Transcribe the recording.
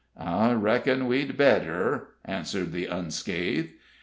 "I reckon we'd better," answered the unscathed.